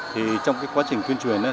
thì trong quá trình tuyên truyền